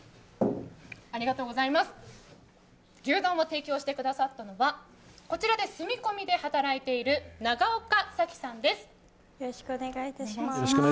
牛丼を提供してくださったのは、こちらで住み込みで働いている長岡早紀さんです。